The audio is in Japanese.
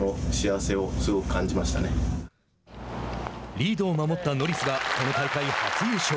リードを守ったノリスがこの大会、初優勝。